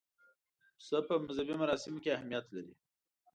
پسه په مذهبي مراسمو کې اهمیت لري.